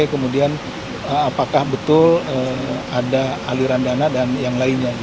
kemudian apakah betul ada aliran dana dan yang lainnya